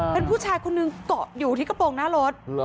เป็นผู้ชายคนนึงเกาะอยู่ที่กระโปรงหน้ารถ